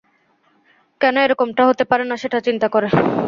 কেন এরকমটা হতে পারে না সেটা চিন্তা করে।